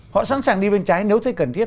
họ sẵn sàng đi bên trái nếu thấy cần thiết